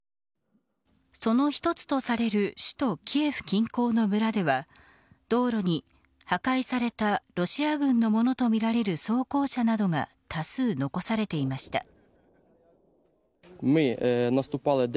その一つとされる首都・キエフ近郊の村では道路に破壊されたロシア軍のものとみられる装甲車などが多数残されていました。